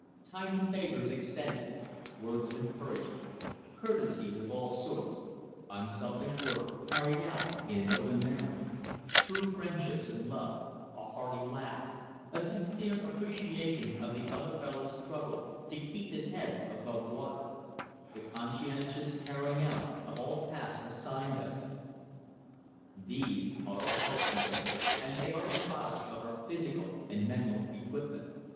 Tiny favors extended, words of encouragement, courtesies of all sorts, unselfish work carried out in an open manner, true friendships and love, a hearty laugh, a sincere appreciation of the other fellow's struggle to keep his head above water, the conscientious carrying out of all tasks assigned us these are our helpmates and they are the products of our physical and mental equipment.